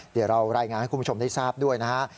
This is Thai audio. เดี๋ยวเรารายงานให้คุณผู้ชมได้ทราบด้วยนะฮะ